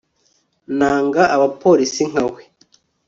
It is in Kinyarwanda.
nanga abapolisi nka we